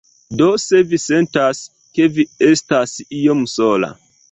Do se vi sentas, ke vi estas iom sola